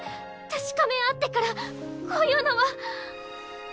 確かめ合ってからこういうのは。